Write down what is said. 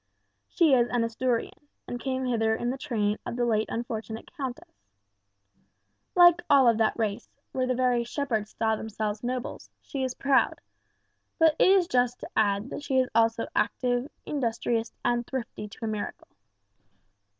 She is an Asturian, and came hither in the train of the late unfortunate countess. Like all of that race, where the very shepherds style themselves nobles, she is proud; but it is just to add that she is also active, industrious, and thrifty to a miracle.